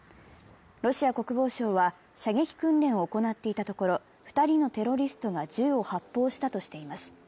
ロシア国防省は射撃訓練を行っていたところ２人のテロリストが銃を発砲したとしています。